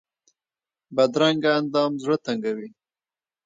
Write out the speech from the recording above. بدرنګه اندام زړه تنګوي